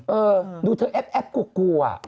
เออดูเธอแอปกลัว